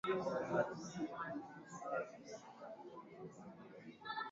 Mto huu unapita katika mkoa wote hadi